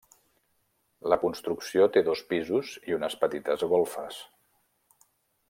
La construcció té dos pisos i unes petites golfes.